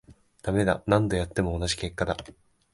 ダメだ、何度やっても同じ結果だ